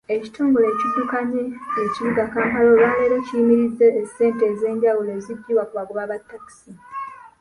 Ekitongole ekiddukanya ekibuga Kampala olwaleero kiyimirizza essente ez'enjawulo eziggibwa ku bagoba ba takisi.